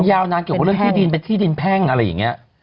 ยาวนานเกี่ยวกับเรื่องที่ดินเป็นที่ดินแพ่งอะไรอย่างนี้